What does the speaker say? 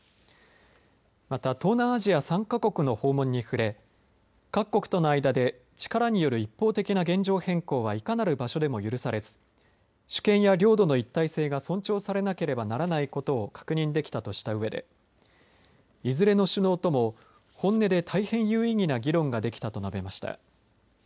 また東南アジア３か国の訪問に触れ、各国との間で、力による一方的な現状変更はいかなる場所でも許されず、主権や領土の一体性が尊重されなければならないことを確認できたとしたうえで、いずれの首脳とも本音で大変有意義な議論ができたと述べました。